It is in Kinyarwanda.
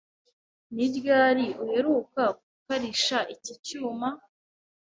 Ni ryari uheruka gukarisha iki cyuma?